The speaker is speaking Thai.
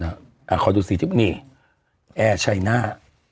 นะอ่ะขอดูสิทุกหน่อยแอร์ชัยหน้า